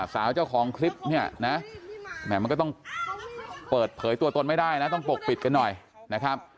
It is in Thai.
สาวเจ้าของคลิปเนี่ยนะมันก็ต้องเปิดเผยตัวตนไม่ได้นะต้องปกปิดกันหน่อยนะครับ